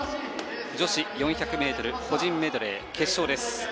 女子４００ｍ個人メドレー決勝。